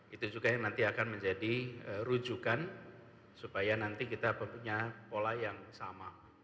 itu juga yang nanti akan menjadi rujukan supaya nanti kita punya pola yang sama